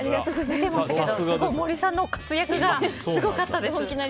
森さんの活躍がすごかったです。